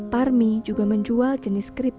parmi juga menjual jenis keripik lainnya